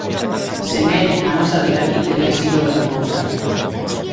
Sen el, a nosa vida aquí tería sido outra cousa.